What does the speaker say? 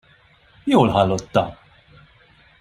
Jól hallotta!